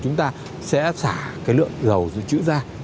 chúng ta sẽ xả cái lượng dầu dự trữ ra